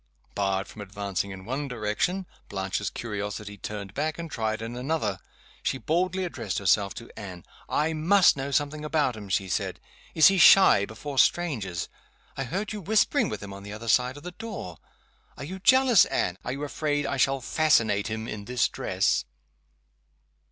Barred from advancing in one direction, Blanche's curiosity turned back, and tried in another. She boldly addressed herself to Anne. "I must know something about him," she said. "Is he shy before strangers? I heard you whispering with him on the other side of the door. Are you jealous, Anne? Are you afraid I shall fascinate him in this dress?"